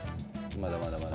まだまだまだ。